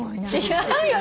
違うよ！